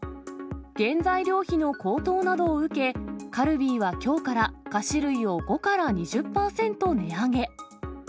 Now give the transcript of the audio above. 原材料費の高騰などを受け、カルビーはきょうから、菓子類を５から２０％値上げ。